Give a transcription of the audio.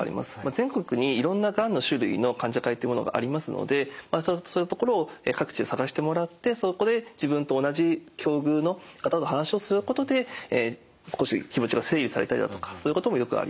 全国にいろんながんの種類の患者会っていうものがありますのでそういう所を各地で探してもらってそこで自分と同じ境遇の方と話をすることで少し気持ちが整理されたりだとかそういうこともよくあります。